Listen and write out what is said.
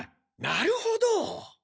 なるほど！